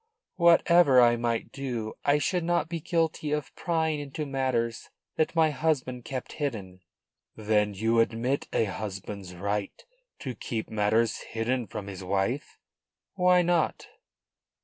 "Whatever I might do, I should not be guilty of prying into matters that my husband kept hidden." "Then you admit a husband's right to keep matters hidden from his wife?" "Why not?"